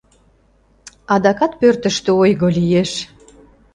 Адакат пӧртыштӧ ойго лиеш!»